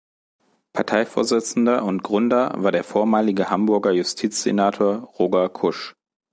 Parteivorsitzender und Gründer war der vormalige Hamburger Justizsenator Roger Kusch.